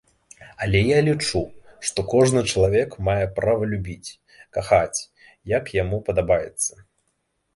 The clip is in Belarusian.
Але я лічу, што кожны чалавек мае права любіць, кахаць, як яму падабаецца.